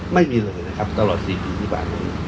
ไม่มีเลยนะครับตลอด๔ปีก่อน